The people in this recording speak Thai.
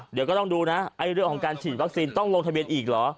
เดี๋ยวก็ต้องดูนะเรื่องของการฉีดวัคซีนต้องลงทะเบียนอีกเหรอ